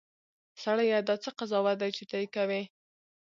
سړیه! دا څه قضاوت دی چې ته یې کوې.